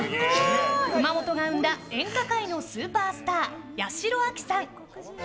熊本が生んだ演歌界のスーパースター、八代亜紀さん。